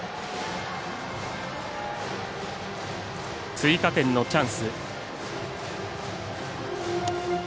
追加点のチャンス。